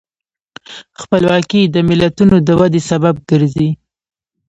خپلواکي د ملتونو د ودې سبب ګرځي.